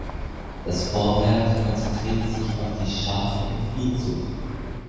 Das Vorwerk konzentrierte sich auf die Schaf- und Viehzucht.